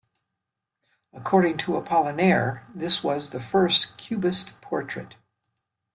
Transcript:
According to Apollinaire this was the 'first Cubist portrait'.